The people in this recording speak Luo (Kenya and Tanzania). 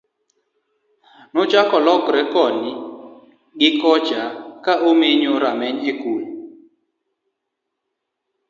nochako lokre koni gi kocha ka omenyo rameny e kul